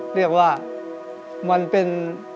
เรียกว่ามันเป็น